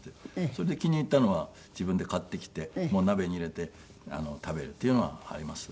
それで気に入ったのは自分で買ってきて鍋に入れて食べるっていうのはあります。